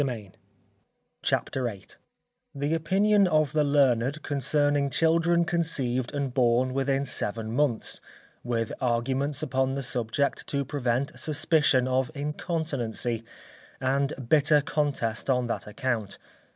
CHAPTER VIII _The Opinion of the Learned concerning Children conceived and born within Seven Months; with Arguments upon the Subject to prevent Suspicion of Incontinency, and bitter Contest on that Account.